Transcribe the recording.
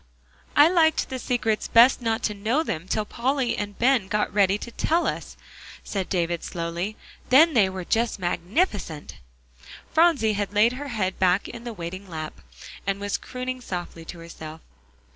"I liked the secrets best not to know them till Polly and Ben got ready to tell us," said David slowly; "then they were just magnificent." Phronsie had laid her head back in the waiting lap, and was crooning softly to herself.